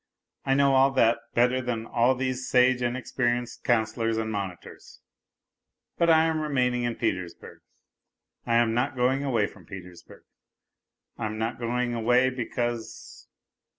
I know all that better than all these sage and experienced NOTES FROM UNDERGROUND 53 counsellors and monitors. ... But I am remaining in Peters burg ; I am not going away from Petersburg ! I am not going away because